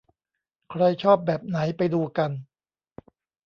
ใครชอบแบบไหนไปดูกัน